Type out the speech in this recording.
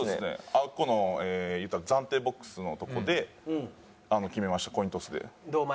あそこの言うたら暫定ボックスのとこで決めましたコイントスで。